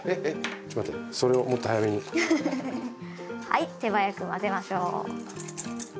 はい手早く混ぜましょう。